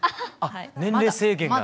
年齢制限が。